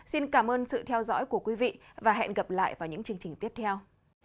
xin cảm ơn sự theo dõi của quý vị và hẹn gặp lại vào những chương trình tiếp theo